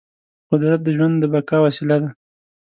قدرت د ژوند د بقا وسیله ده.